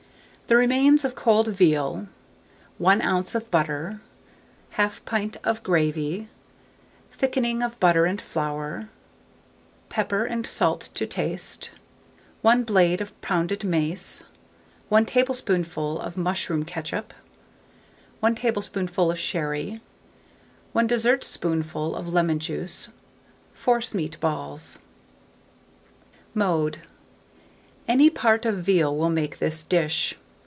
The remains of cold veal, 1 oz. of butter, 1/2 pint of gravy, thickening of butter and flour, pepper and salt to taste, 1 blade of pounded mace, 1 tablespoonful of mushroom ketchup, 1 tablespoonful of sherry, 1 dessertspoonful of lemon juice, forcemeat balls. Mode. Any part of veal will make this dish.